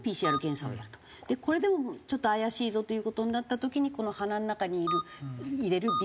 これでもちょっと怪しいぞっていう事になった時にこの鼻の中に入れる鼻